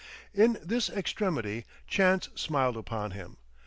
In this extremity, Chance smiled upon him.